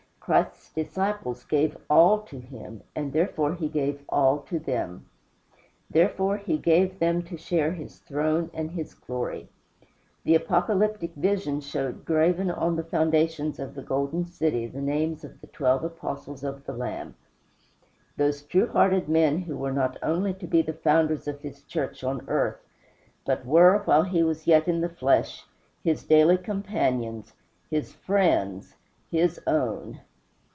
Christ's disciples gave ALL to him, and therefore he gave ALL to them. Therefore he gave them to share his throne and his glory. The Apocalyptic vision showed graven on the foundations of the golden city the names of the twelve Apostles of the Lamb, those true hearted men who were not only to be the founders of his church on earth, but were, while he was yet in the flesh, his daily companions, his friends, "his own."